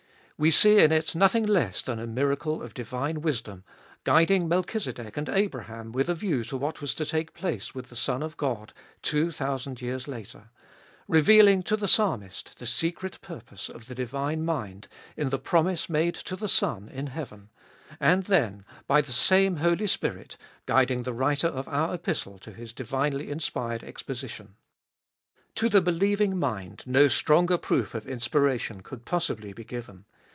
We see in it nothing less than a miracle of divine wisdom, guiding Melchizedek and Abraham with a view to what was to take place with the Son of God two thousand years later ; revealing to the Psalmist the secret purpose of the divine mind in the promise made to the Son in heaven ; and then, by the same Holy Spirit, guiding the writer of our Epistle to his divinely inspired exposition. To the believing mind no stronger proof of inspiration could possibly be given.